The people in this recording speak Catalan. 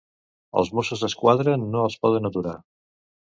Els Mossos d'Esquadra no els poden aturar.